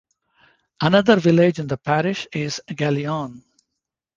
Another village in the parish is Galion.